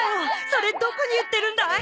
それどこに売ってるんだい？